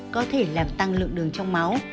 có thể làm tăng lượng đường trong máu